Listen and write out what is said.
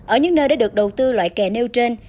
ở những nơi đã được đầu tư loại kè nêu trên